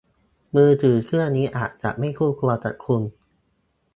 มือถือเครื่องนี้อาจจะไม่คู่ควรกับคุณ